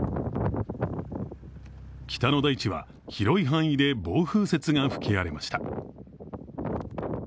北の大地は、広い範囲で暴風雪が吹き荒れました。